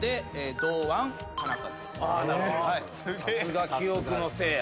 さすが記憶のせいや。